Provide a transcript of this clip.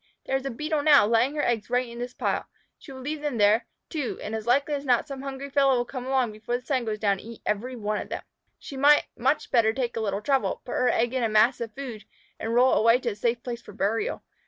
"There is a Beetle now, laying her eggs right in this pile. She will leave them there, too, and as likely as not some hungry fellow will come along before the sun goes down and eat every one of them. She might much better take a little trouble, put her egg in a mass of food, and roll it away to a safe place for burial.